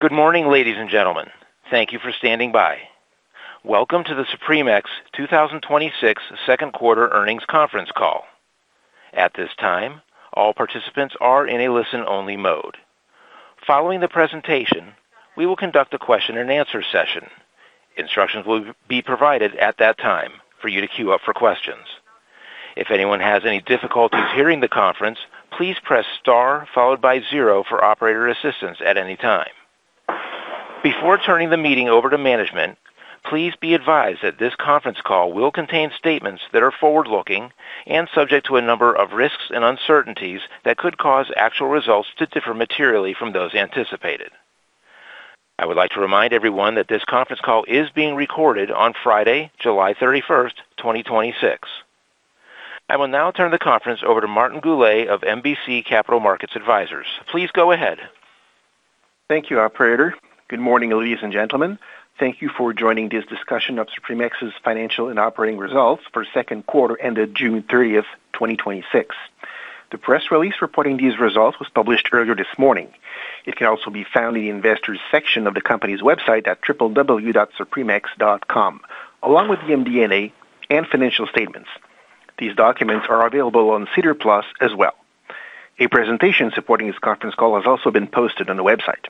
Good morning, ladies and gentlemen. Thank you for standing by. Welcome to the SupremeX 2026 Second Quarter Earnings Conference Call. At this time, all participants are in a listen-only mode. Following the presentation, we will conduct a question and answer session. Instructions will be provided at that time for you to queue up for questions. If anyone has any difficulties hearing the conference, please press star followed by zero for operator assistance at any time. Before turning the meeting over to management, please be advised that this conference call will contain statements that are forward-looking and subject to a number of risks and uncertainties that could cause actual results to differ materially from those anticipated. I would like to remind everyone that this conference call is being recorded on Friday, July 31st, 2026. I will now turn the conference over to Martin Goulet of MBC Capital Markets Advisors. Please go ahead. Thank you, operator. Good morning, ladies and gentlemen. Thank you for joining this discussion of SupremeX's financial and operating results for second quarter ended June 30th, 2026. The press release reporting these results was published earlier this morning. It can also be found in the investors section of the company's website at www.SupremeX.com, along with the MD&A and financial statements. These documents are available on SEDAR+ as well. A presentation supporting this conference call has also been posted on the website.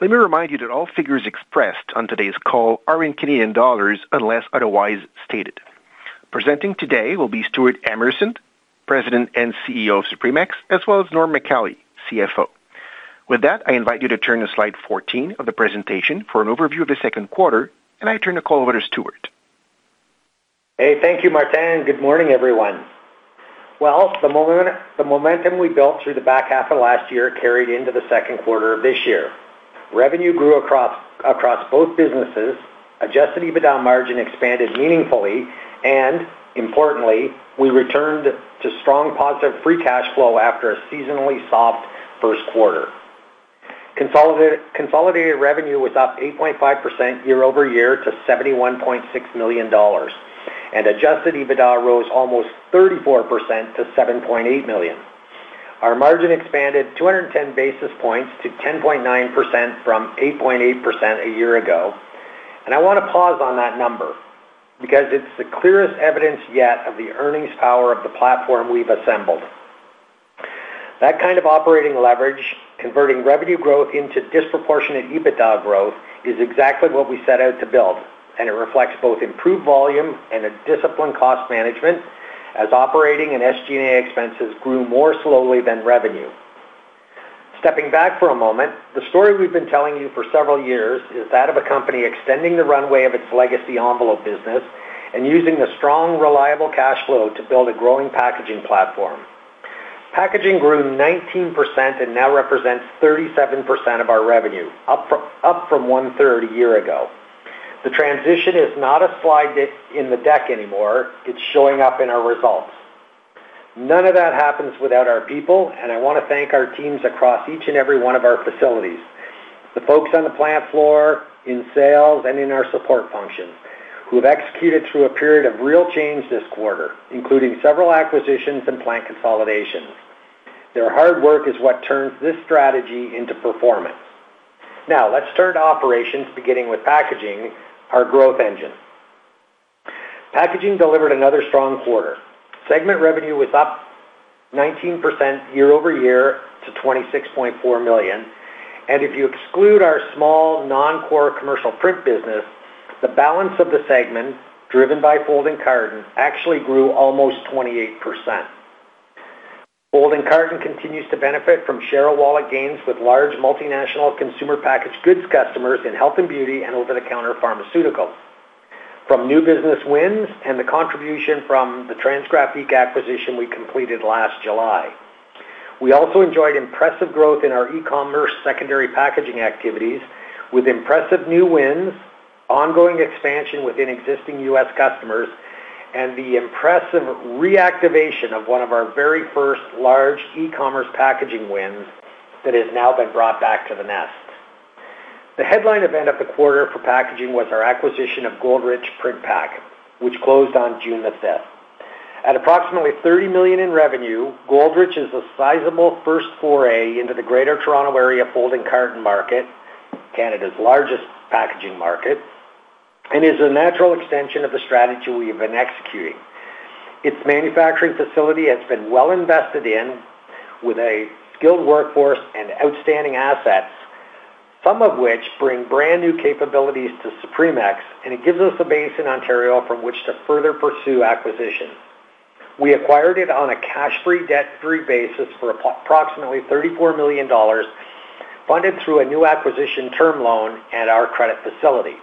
Let me remind you that all figures expressed on today's call are in Canadian dollars unless otherwise stated. Presenting today will be Stewart Emerson, President and CEO of SupremeX, as well as Norm Macaulay, CFO. With that, I invite you to turn to slide 14 of the presentation for an overview of the second quarter. I turn the call over to Stewart. Hey, thank you, Martin. Good morning, everyone. Well, the momentum we built through the back half of last year carried into the second quarter of this year. Revenue grew across both businesses, adjusted EBITDA margin expanded meaningfully, and importantly, we returned to strong positive free cash flow after a seasonally soft first quarter. Consolidated revenue was up 8.5% year-over-year to 71.6 million dollars, adjusted EBITDA rose almost 34% to 7.8 million. Our margin expanded 210 basis points to 10.9% from 8.8% a year ago. I want to pause on that number because it's the clearest evidence yet of the earnings power of the platform we've assembled. That kind of operating leverage, converting revenue growth into disproportionate EBITDA growth is exactly what we set out to build, and it reflects both improved volume and a disciplined cost management as operating and SG&A expenses grew more slowly than revenue. Stepping back for a moment, the story we've been telling you for several years is that of a company extending the runway of its legacy envelope business and using the strong, reliable cash flow to build a growing packaging platform. Packaging grew 19% and now represents 37% of our revenue, up from one-third a year ago. The transition is not a slide in the deck anymore. It's showing up in our results. None of that happens without our people. I want to thank our teams across each and every one of our facilities. The folks on the plant floor, in sales, and in our support functions who have executed through a period of real change this quarter, including several acquisitions and plant consolidations. Their hard work is what turns this strategy into performance. Let's turn to operations beginning with Packaging, our growth engine. Packaging delivered another strong quarter. Segment revenue was up 19% year-over-year to 26.4 million. If you exclude our small non-core commercial print business, the balance of the segment, driven by folding carton, actually grew almost 28%. Folding carton continues to benefit from share of wallet gains with large multinational consumer packaged goods customers in health and beauty and over-the-counter pharmaceuticals, from new business wins, and the contribution from the Trans-Graphique acquisition we completed last July. We also enjoyed impressive growth in our e-commerce secondary packaging activities with impressive new wins, ongoing expansion within existing U.S. customers, and the impressive reactivation of one of our very first large e-commerce packaging wins that has now been brought back to the nest. The headline event of the quarter for packaging was our acquisition of Goldrich Printpak, which closed on June the 5th. At approximately 30 million in revenue, Goldrich is a sizable first foray into the Greater Toronto Area folding carton market, Canada's largest packaging market, and is a natural extension of the strategy we have been executing. Its manufacturing facility has been well invested in with a skilled workforce and outstanding assets, some of which bring brand new capabilities to SupremeX. It gives us a base in Ontario from which to further pursue acquisition. We acquired it on a cash-free, debt-free basis for approximately 34 million dollars, funded through a new acquisition term loan and our credit facility.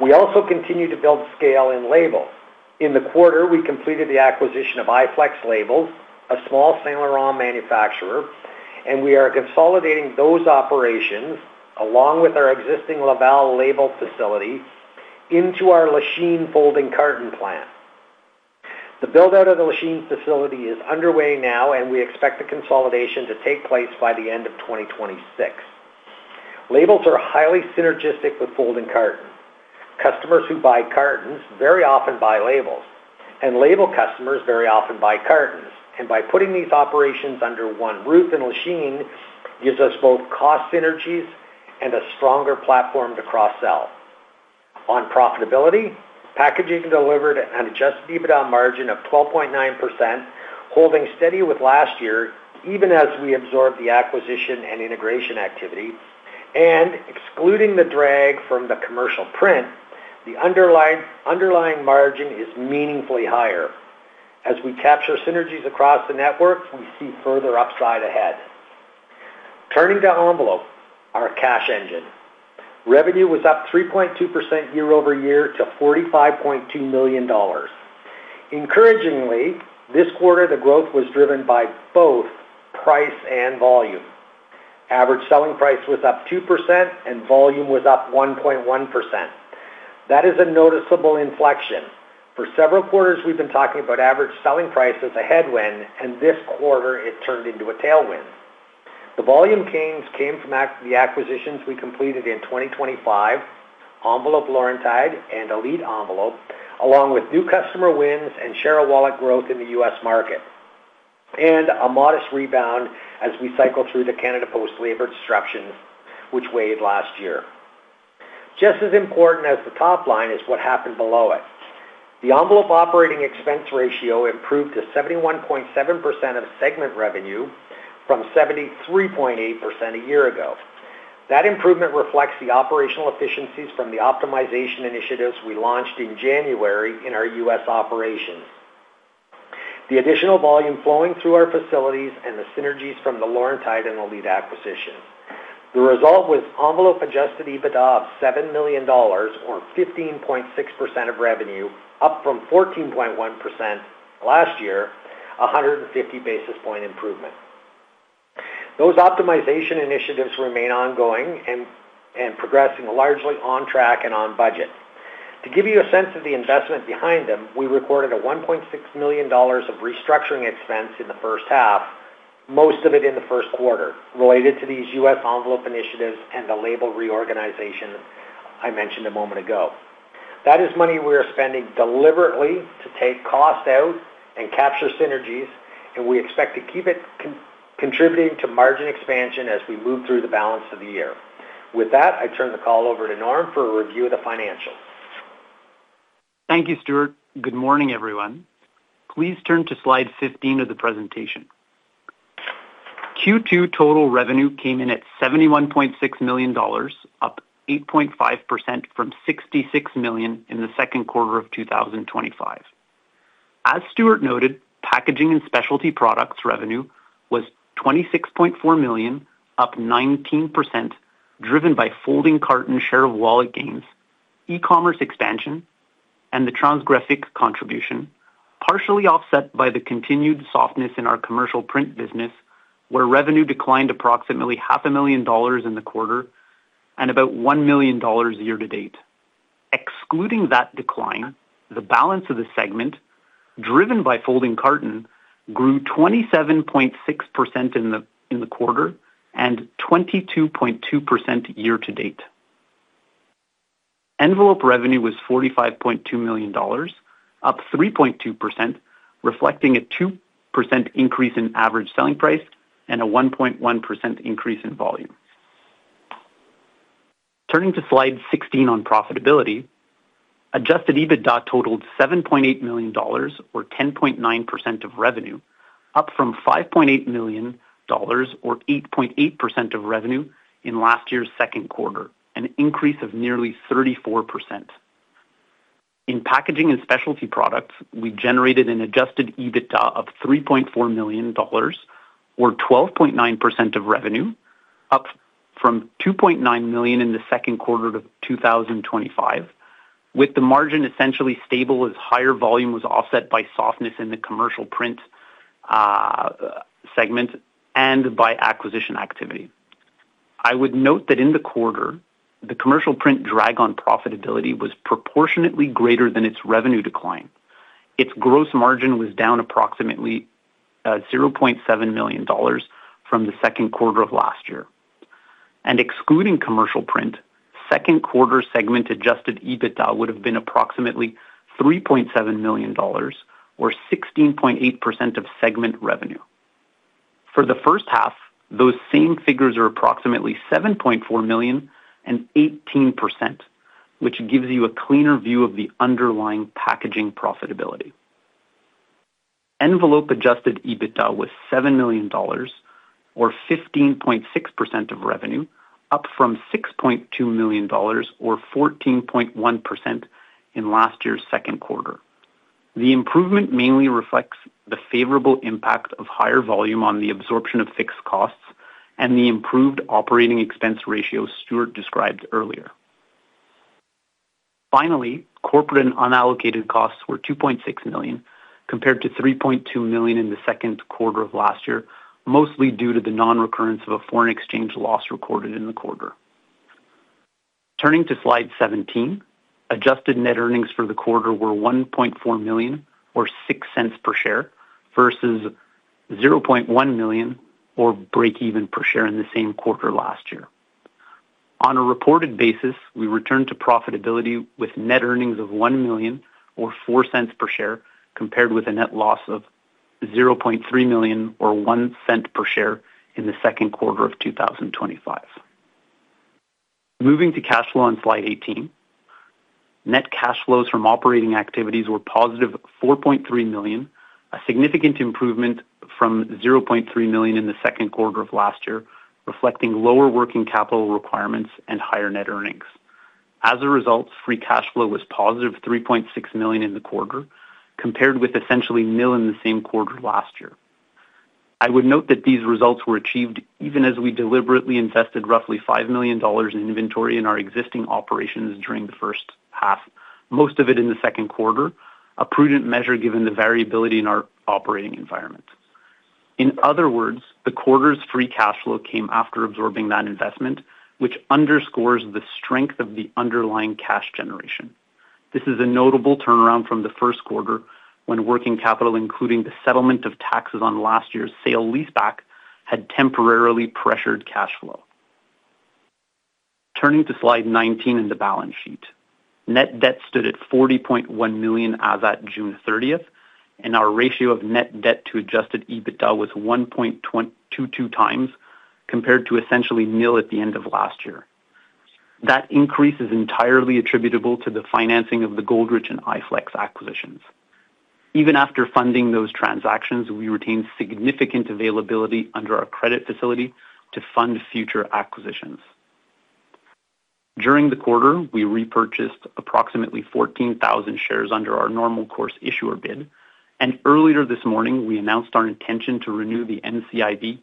We also continue to build scale in labels. In the quarter, we completed the acquisition of iFlex Labels, a small Saint-Laurent manufacturer. We are consolidating those operations along with our existing Laval label facility into our Lachine folding carton plant. The build-out of the Lachine facility is underway now. We expect the consolidation to take place by the end of 2026. Labels are highly synergistic with folding carton. Customers who buy cartons very often buy labels, and label customers very often buy cartons. By putting these operations under one roof in Lachine, gives us both cost synergies and a stronger platform to cross-sell. On profitability, Packaging delivered an adjusted EBITDA margin of 12.9%, holding steady with last year, even as we absorb the acquisition and integration activity. Excluding the drag from the commercial print, the underlying margin is meaningfully higher. As we capture synergies across the networks, we see further upside ahead. Turning to Envelope, our cash engine. Revenue was up 3.2% year-over-year to 45.2 million dollars. Encouragingly, this quarter, the growth was driven by both price and volume. Average selling price was up 2% and volume was up 1.1%. That is a noticeable inflection. For several quarters, we've been talking about average selling price as a headwind, and this quarter it turned into a tailwind. The volume gains came from the acquisitions we completed in 2025, Enveloppe Laurentide and Elite Envelope, along with new customer wins and share of wallet growth in the U.S. market, and a modest rebound as we cycle through the Canada Post labor disruptions which weighed last year. Just as important as the top line is what happened below it. The envelope operating expense ratio improved to 71.7% of segment revenue from 73.8% a year ago. That improvement reflects the operational efficiencies from the optimization initiatives we launched in January in our U.S. operations, the additional volume flowing through our facilities, and the synergies from the Laurentide and Elite acquisitions. The result was envelope adjusted EBITDA of 7 million dollars or 15.6% of revenue, up from 14.1% last year, 150 basis point improvement. Those optimization initiatives remain ongoing and progressing largely on track and on budget. To give you a sense of the investment behind them, we recorded 1.6 million dollars of restructuring expense in the first half, most of it in the first quarter, related to these U.S. envelope initiatives and the label reorganization I mentioned a moment ago. That is money we are spending deliberately to take cost out and capture synergies, and we expect to keep it contributing to margin expansion as we move through the balance of the year. With that, I turn the call over to Norm for a review of the financials. Thank you, Stewart. Good morning, everyone. Please turn to slide 15 of the presentation. Q2 total revenue came in at 71.6 million dollars, up 8.5% from 66 million in the second quarter of 2025. As Stewart noted, packaging and specialty products revenue was 26.4 million, up 19%, driven by folding carton share of wallet gains, e-commerce expansion, and the Trans-Graphique contribution, partially offset by the continued softness in our commercial print business, where revenue declined approximately 0.5 million dollars In the quarter and about 1 million dollars year to date. Excluding that decline, the balance of the segment, driven by folding carton, grew 27.6% in the quarter and 22.2% year to date. Envelope revenue was 45.2 million dollars, up 3.2%, reflecting a 2% increase in average selling price and a 1.1% increase in volume. Turning to slide 16 on profitability, adjusted EBITDA totaled 7.8 million dollars or 10.9% of revenue, up from 5.8 million dollars or 8.8% of revenue in last year's second quarter, an increase of nearly 34%. In packaging and specialty products, we generated an adjusted EBITDA of 3.4 million dollars or 12.9% of revenue, up from 2.9 million in the second quarter of 2025, with the margin essentially stable as higher volume was offset by softness in the commercial print segment and by acquisition activity. I would note that in the quarter, the commercial print drag on profitability was proportionately greater than its revenue decline. Its gross margin was down approximately 0.7 million dollars from the second quarter of last year. Excluding commercial print, second quarter segment adjusted EBITDA would have been approximately 3.7 million dollars or 16.8% of segment revenue. For the first half, those same figures are approximately 7.4 million and 18%, which gives you a cleaner view of the underlying packaging profitability. Envelope adjusted EBITDA was 7 million dollars or 15.6% of revenue, up from 6.2 million dollars or 14.1% in last year's second quarter. The improvement mainly reflects the favorable impact of higher volume on the absorption of fixed costs and the improved operating expense ratio Stewart described earlier. Corporate and unallocated costs were 2.6 million compared to 3.2 million in the second quarter of last year, mostly due to the non-recurrence of a foreign exchange loss recorded in the quarter. Turning to slide 17, adjusted net earnings for the quarter were 1.4 million or 0.06 per share versus 0.1 million or breakeven per share in the same quarter last year. On a reported basis, we returned to profitability with net earnings of 1 million or 0.04 per share, compared with a net loss of 0.3 million or 0.01 per share in the second quarter of 2025. Moving to cash flow on slide 18. Net cash flows from operating activities were positive 4.3 million, a significant improvement from 0.3 million in the second quarter of last year, reflecting lower working capital requirements and higher net earnings. Free cash flow was positive 3.6 million in the quarter, compared with essentially nil in the same quarter last year. I would note that these results were achieved even as we deliberately invested roughly 5 million dollars in inventory in our existing operations during the first half, most of it in the second quarter, a prudent measure given the variability in our operating environment. The quarter's free cash flow came after absorbing that investment, which underscores the strength of the underlying cash generation. This is a notable turnaround from the first quarter, when working capital, including the settlement of taxes on last year's sale-leaseback, had temporarily pressured cash flow. Turning to slide 19 and the balance sheet. Net debt stood at 40.1 million as at June 30th, and our ratio of net debt to adjusted EBITDA was 1.22x, compared to essentially nil at the end of last year. That increase is entirely attributable to the financing of the Goldrich and iFlex acquisitions. Even after funding those transactions, we retain significant availability under our credit facility to fund future acquisitions. During the quarter, we repurchased approximately 14,000 shares under our normal course issuer bid, and earlier this morning, we announced our intention to renew the NCIB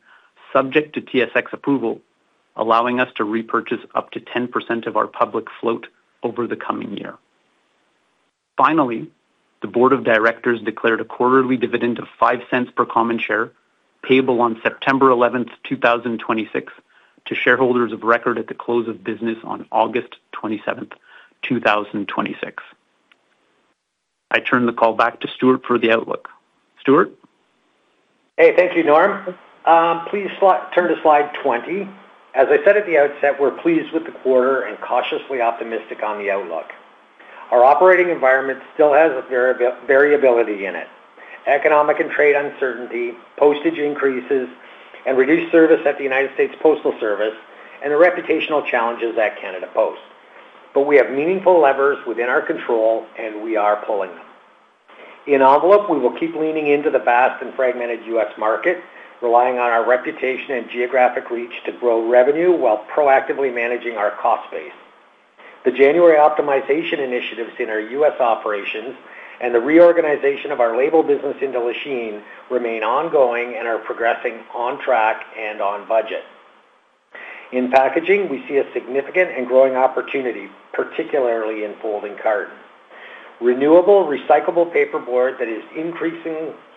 subject to TSX approval, allowing us to repurchase up to 10% of our public float over the coming year. The Board of Directors declared a quarterly dividend of 0.05 per common share, payable on September 11th, 2026 to shareholders of record at the close of business on August 27th, 2026. I turn the call back to Stewart for the outlook. Stewart? Hey, thank you, Norm. Please turn to slide 20. As I said at the outset, we're pleased with the quarter and cautiously optimistic on the outlook. Our operating environment still has variability in it. Economic and trade uncertainty, postage increases, reduced service at the United States Postal Service, and the reputational challenges at Canada Post. We have meaningful levers within our control, and we are pulling them. In envelope, we will keep leaning into the vast and fragmented U.S. market, relying on our reputation and geographic reach to grow revenue while proactively managing our cost base. The January optimization initiatives in our U.S. operations and the reorganization of our label business into Lachine remain ongoing and are progressing on track and on budget. In packaging, we see a significant and growing opportunity, particularly in folding carton. Renewable, recyclable paperboard that is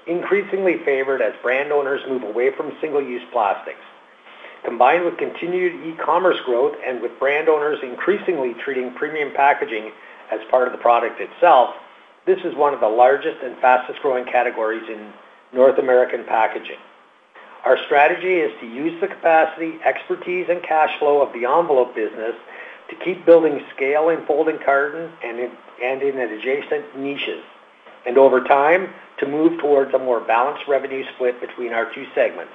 increasingly favored as brand owners move away from single-use plastics. Combined with continued e-commerce growth and with brand owners increasingly treating premium packaging as part of the product itself, this is one of the largest and fastest-growing categories in North American packaging. Our strategy is to use the capacity, expertise, and cash flow of the envelope business to keep building scale in folding carton and in adjacent niches. Over time, to move towards a more balanced revenue split between our two segments.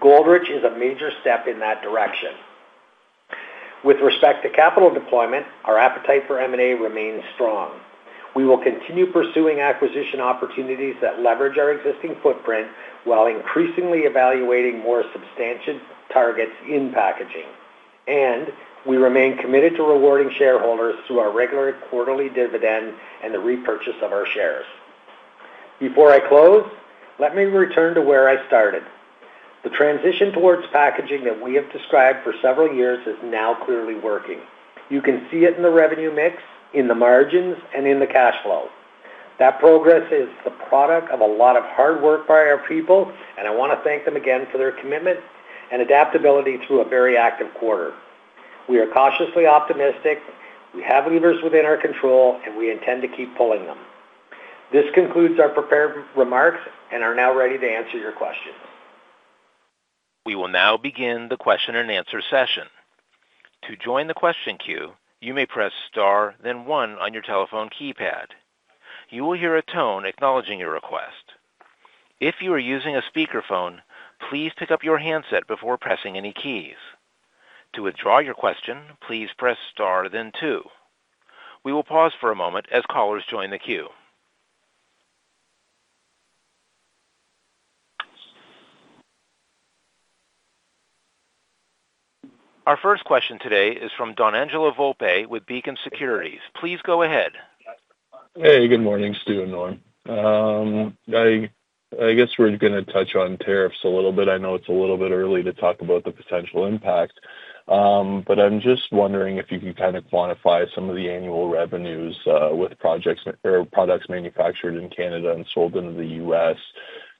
Goldrich is a major step in that direction. With respect to capital deployment, our appetite for M&A remains strong. We will continue pursuing acquisition opportunities that leverage our existing footprint while increasingly evaluating more substantial targets in packaging, and we remain committed to rewarding shareholders through our regular quarterly dividend and the repurchase of our shares. Before I close, let me return to where I started. The transition towards packaging that we have described for several years is now clearly working. You can see it in the revenue mix, in the margins, and in the cash flow. That progress is the product of a lot of hard work by our people, and I want to thank them again for their commitment and adaptability through a very active quarter. We are cautiously optimistic. We have levers within our control, and we intend to keep pulling them. This concludes our prepared remarks and we are now ready to answer your questions. We will now begin the question and answer session. To join the question queue, you may press star then one on your telephone keypad. You will hear a tone acknowledging your request. If you are using a speakerphone, please pick up your handset before pressing any keys. To withdraw your question, please press star then two. We will pause for a moment as callers join the queue. Our first question today is from Donangelo Volpe with Beacon Securities. Please go ahead. Hey, good morning, Stewart and Norm. I guess we're going to touch on tariffs a little bit. I know it's a little bit early to talk about the potential impact. I'm just wondering if you can kind of quantify some of the annual revenues with products manufactured in Canada and sold into the U.S.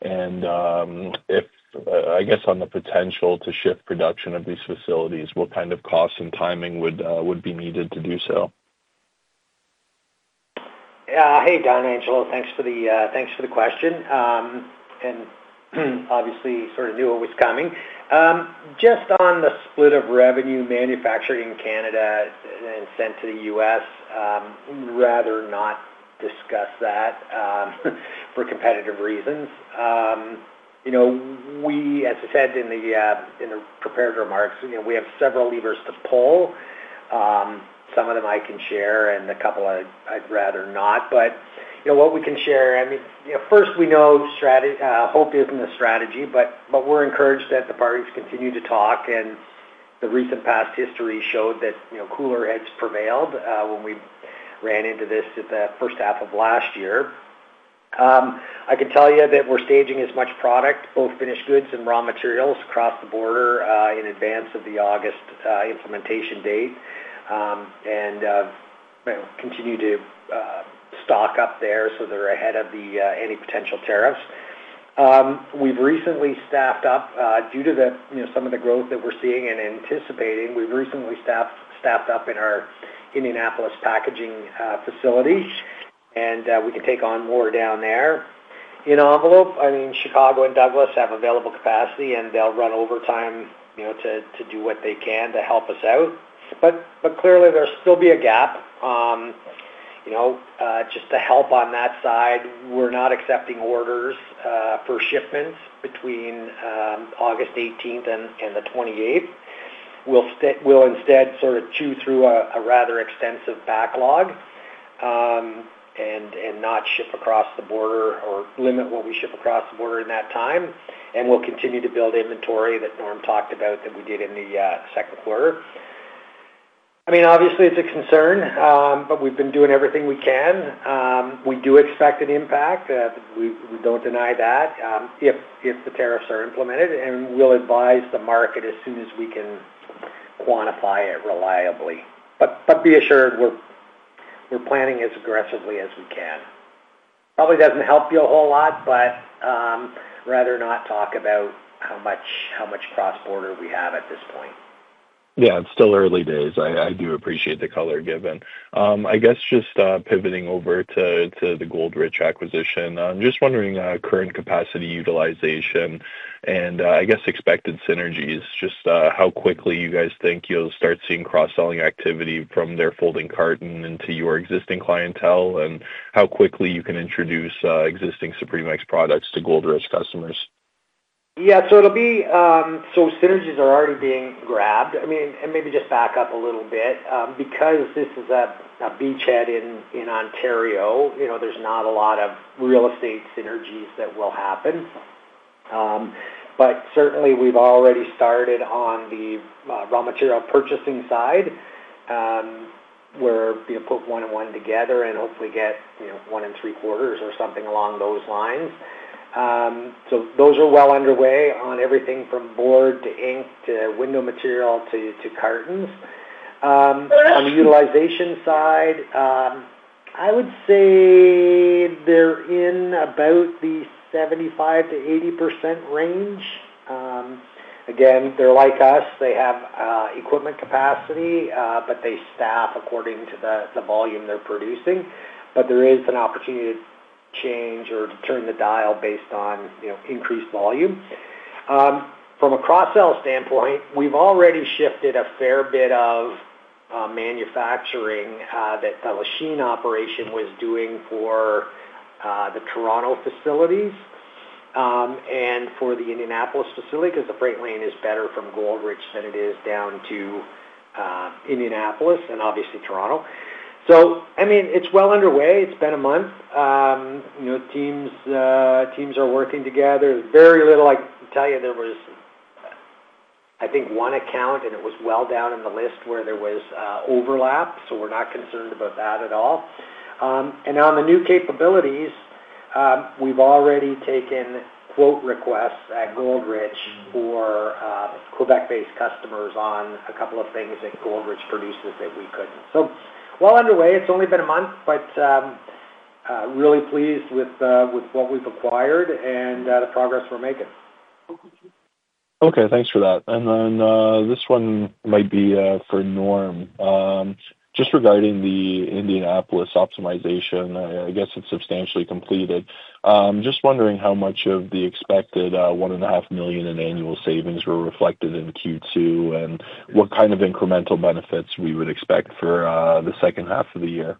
I guess on the potential to shift production of these facilities, what kind of cost and timing would be needed to do so? Yeah. Hey, Donangelo. Thanks for the question. Obviously sort of knew it was coming. Just on the split of revenue manufacturing in Canada and sent to the U.S., rather not discuss that for competitive reasons. As I said in the prepared remarks, we have several levers to pull. Some of them I can share, and a couple I'd rather not. What we can share, first, we know hope isn't a strategy, but we're encouraged that the parties continue to talk, and the recent past history showed that cooler heads prevailed when we ran into this at the first half of last year. I can tell you that we're staging as much product, both finished goods and raw materials, across the border in advance of the August implementation date. Continue to stock up there so they're ahead of any potential tariffs. Due to some of the growth that we're seeing and anticipating, we've recently staffed up in our Indianapolis packaging facility, and we can take on more down there. In envelope, Chicago and Douglas have available capacity, and they'll run overtime to do what they can to help us out. Clearly, there'll still be a gap. Just to help on that side, we're not accepting orders for shipments between August 18th and the 28th. We'll instead sort of chew through a rather extensive backlog, and not ship across the border or limit what we ship across the border in that time. We'll continue to build inventory that Norm talked about that we did in the second quarter. Obviously, it's a concern, but we've been doing everything we can. We do expect an impact, we don't deny that, if the tariffs are implemented, we'll advise the market as soon as we can quantify it reliably. Be assured, we're planning as aggressively as we can. Probably doesn't help you a whole lot, rather not talk about how much cross-border we have at this point. Yeah. It's still early days. I do appreciate the color given. I guess just pivoting over to the Goldrich acquisition. Just wondering current capacity utilization and, I guess, expected synergies. Just how quickly you guys think you'll start seeing cross-selling activity from their folding carton into your existing clientele, and how quickly you can introduce existing SupremeX products to Goldrich customers. Yeah. Synergies are already being grabbed. Maybe just back up a little bit. Because this is a beachhead in Ontario, there's not a lot of real estate synergies that will happen. Certainly, we've already started on the raw material purchasing side, where we put one and one together and hopefully get one and three quarters or something along those lines. Those are well underway on everything from board to ink to window material to cartons. On the utilization side, I would say they're in about the 75%-80% range. Again, they're like us. They have equipment capacity, but they staff according to the volume they're producing. There is an opportunity to change or to turn the dial based on increased volume. From a cross-sell standpoint, we've already shifted a fair bit of manufacturing that the Lachine operation was doing for the Toronto facilities and for the Indianapolis facility, because the freight lane is better from Goldrich than it is down to Indianapolis and obviously Toronto. It's well underway. It's been a month. Teams are working together. I can tell you there was, I think, one account, and it was well down in the list where there was overlap, so we're not concerned about that at all. On the new capabilities, we've already taken quote requests at Goldrich for Quebec-based customers on a couple of things that Goldrich produces that we couldn't. Well underway. It's only been a month, but really pleased with what we've acquired and the progress we're making. Okay, thanks for that. Then, this one might be for Norm. Just regarding the Indianapolis optimization, I guess it's substantially completed. Just wondering how much of the expected 1.5 million in annual savings were reflected in Q2, and what kind of incremental benefits we would expect for the second half of the year.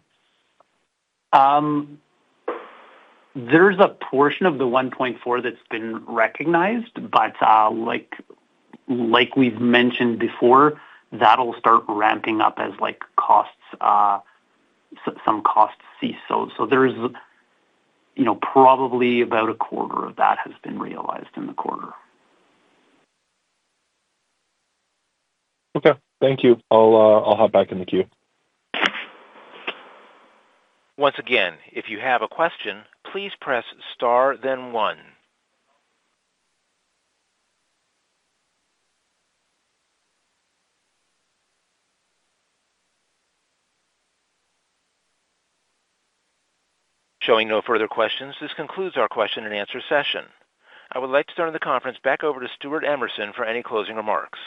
There's a portion of the 1.4 that's been recognized, but like we've mentioned before, that'll start ramping up as some costs cease. There is probably about a quarter of that has been realized in the quarter. Okay. Thank you. I'll hop back in the queue. Once again, if you have a question, please press star then one. Showing no further questions, this concludes our question and answer session. I would like to turn the conference back over to Stewart Emerson for any closing remarks.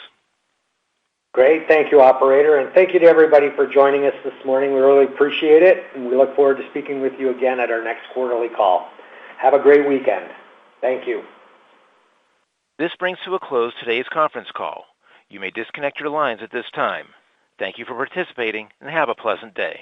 Great. Thank you, operator, and thank you to everybody for joining us this morning. We really appreciate it, and we look forward to speaking with you again at our next quarterly call. Have a great weekend. Thank you. This brings to a close today's conference call. You may disconnect your lines at this time. Thank you for participating, and have a pleasant day.